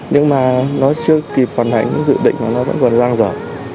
nhưng mà nó chưa kịp hoàn hảnh dự định mà nó vẫn còn dang dở